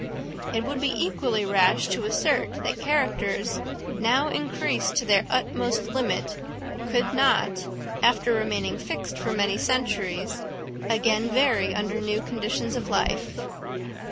It would be equally rash to assert that characters now increased to their utmost limit, could not, after remaining fixed for many centuries, again vary under new conditions of life.